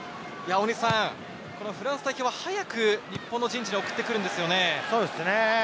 フランス代表は早く日本の陣地に送ってくるんですよね。